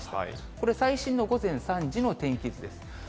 これ、最新の午前３時の天気図です。